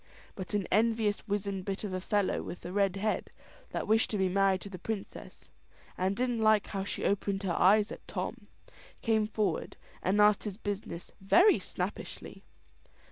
But an envious wizened bit of a fellow, with a red head, that wished to be married to the princess, and didn't like how she opened her eyes at Tom, came forward, and asked his business very snappishly.